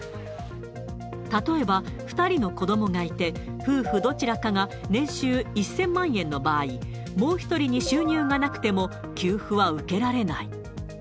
例えば２人の子どもがいて、夫婦どちらかが年収１０００万円の場合、もう１人に収入がなくても給付は受けられない。